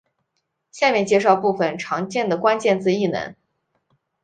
下面介绍部分常见的关键字异能。